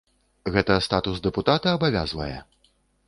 Гэта статус дэпутата абавязвае?